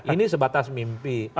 ini sebatas mimpi